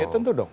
ya tentu dong